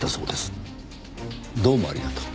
どうもありがとう。